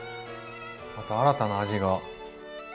また新たな味が。